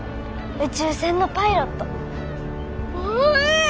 宇宙船のパイロット。ばえー！